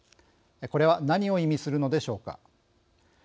これは何を意味するのでしょうか。